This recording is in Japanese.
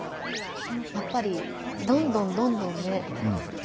やっぱりどんどんどんどんね